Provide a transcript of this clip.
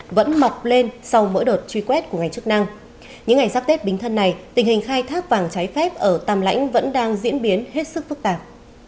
ở tàm lãnh vẫn đang diễn biến hết sức phức tạp